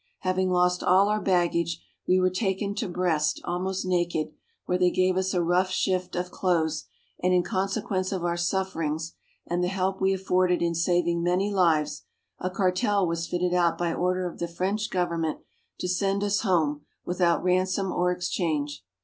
Having lost all our baggage, we were taken to Brest almost naked, where they gave us a rough shift of clothes, and in consequence of our sufferings, and the help we afforded in saving many lives, a cartel was fitted out by order of the French Government to send us home, without ransom or exchange.